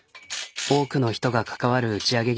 多くの人が関わる打ち上げ